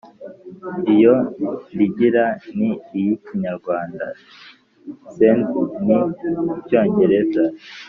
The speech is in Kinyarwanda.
iyo ndingira ni iy’ikinyarwanda, ‘send’ ni icyongereza!